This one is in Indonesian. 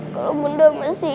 kalau bunda masih